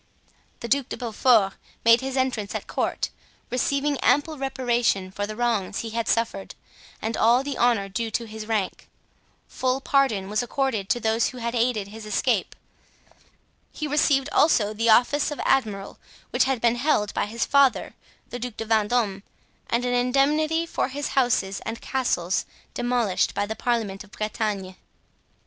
The Duc de Beaufort made his entrance at court, receiving ample reparation for the wrongs he had suffered, and all the honor due to his rank. Full pardon was accorded to those who had aided in his escape. He received also the office of admiral, which had been held by his father, the Duc de Vendome and an indemnity for his houses and castles, demolished by the Parliament of Bretagne.